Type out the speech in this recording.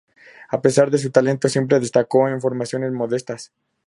A pesar de su talento, siempre destacó en formaciones modestas.